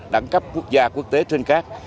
đẳng cấp quốc gia quốc tế trên cát